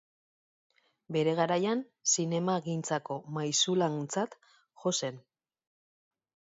Bere garaian zinemagintzako maisulantzat jo zen.